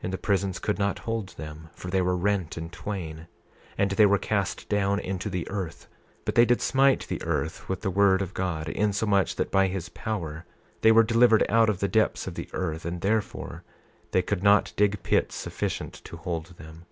And the prisons could not hold them, for they were rent in twain. 28:20 And they were cast down into the earth; but they did smite the earth with the word of God, insomuch that by his power they were delivered out of the depths of the earth; and therefore they could not dig pits sufficient to hold them.